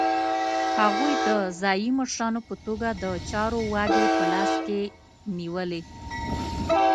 هغوی د ځايي مشرانو په توګه د چارو واګې په لاس کې نیولې.